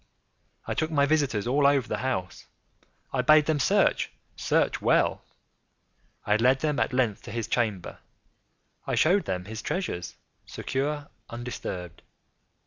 I took my visitors all over the house. I bade them search—search well. I led them, at length, to his chamber. I showed them his treasures, secure, undisturbed.